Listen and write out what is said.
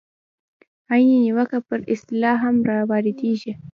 عین نیوکه پر اصطلاح هم واردېږي.